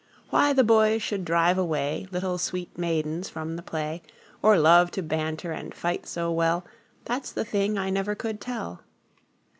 Why the boys should drive away Little sweet maidens from the play, Or love to banter and fight so well, That 's the thing I never could tell.